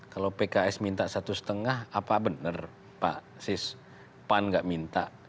kalau pks minta satu lima miliar apa benar pak siswan tidak minta